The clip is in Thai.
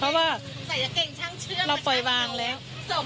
เพราะว่าเราปล่อยวางแล้ว